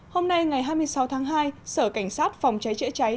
hôm nay ngày hai mươi sáu tháng hai sở cảnh sát phòng cháy chữa cháy